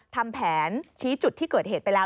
ทำแผนชี้จุดที่เกิดเหตุไปแล้ว